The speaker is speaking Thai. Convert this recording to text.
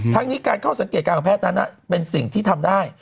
ทั้งนี้การเข้าสังเกตการของแพทย์นั้นเป็นสิ่งที่ทำได้